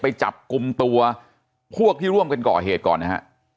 ไปจับกลุ่มตัวพวกที่ร่วมกันก่อเหตุก่อนนะฮะ